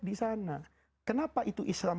di sana kenapa itu islam